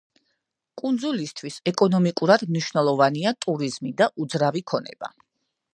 კუნძულისთვის ეკონომიკურად მნიშვნელოვანია ტურიზმი და უძრავი ქონება.